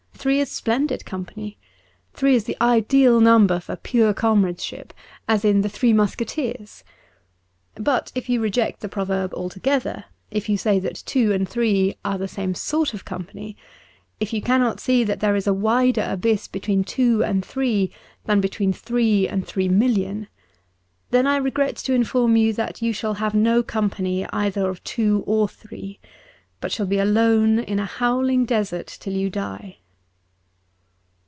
Three is splendid company. Three is the ideal number for pure comrade ship : as in the ' Three Musketeers.' But if you reject the proverb altogether ; if you say that two and three are the same sort of company ; if you cannot see that there is a wider abyss between two and three than between three and three million •— then I regret to inform you that you shall have no company either of two or three, but shall be alone in a howling desert till you die.'